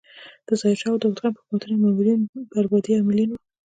د ظاهر شاه او داود خان په حکومتونو کې مامورین د بربادۍ عاملین وو.